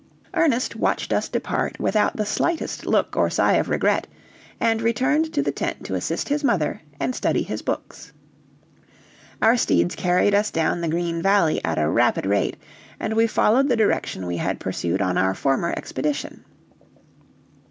Ernest watched us depart without the slightest look or sigh of regret, and returned to the tent to assist his mother and study his books. Our steeds carried us down the Green Valley at a rapid rate, and we followed the direction we had pursued on our former expedition.